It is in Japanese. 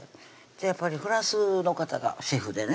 やっぱりフランスの方がシェフでね